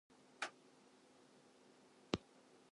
Bill rather than continuing a life in music.